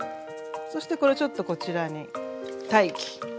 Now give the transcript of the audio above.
そしてこれをちょっとこちらに待機。